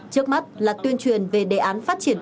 trước mắt là tuyên truyền về đề án phát triển